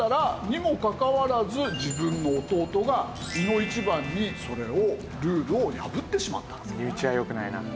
にもかかわらず自分の弟がいの一番にそれをルールを破ってしまったという事になるので。